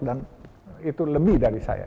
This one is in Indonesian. dan itu lebih dari saya